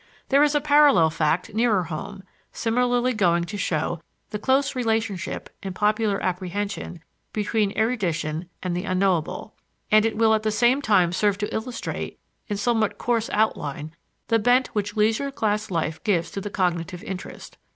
There is a parallel fact nearer home, similarly going to show the close relationship, in popular apprehension, between erudition and the unknowable; and it will at the same time serve to illustrate, in somewhat coarse outline, the bent which leisure class life gives to the cognitive interest.